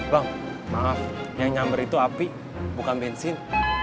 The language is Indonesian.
bang maaf yang nyamber itu api bukan bensin